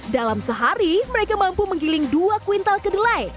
dalam sehari mereka mampu menggiling dua kuintal kedelai